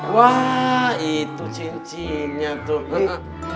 wah itu cincinnya tuh